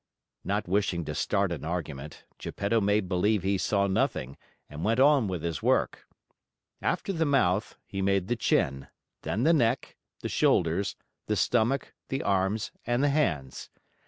Not wishing to start an argument, Geppetto made believe he saw nothing and went on with his work. After the mouth, he made the chin, then the neck, the shoulders, the stomach, the arms, and the hands.